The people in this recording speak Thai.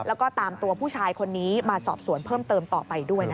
แล้วก็ตามตัวผู้ชายคนนี้มาสอบสวนเพิ่มเติมต่อไปด้วยนะคะ